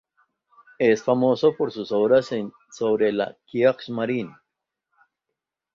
Es famoso por sus obras sobre la Kriegsmarine.